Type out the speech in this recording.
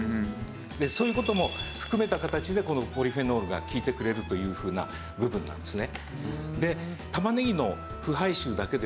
そういう事も含めた形でこのポリフェノールが効いてくれるというふうな部分なんですね。